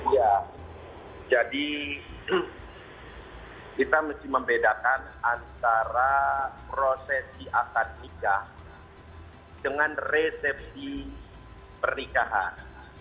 ya jadi kita mesti membedakan antara proses di atas nikah dengan resepsi pernikahan